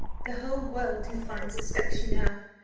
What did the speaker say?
The whole world, you find, suspects you now.